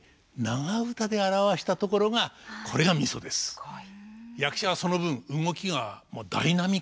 すごい。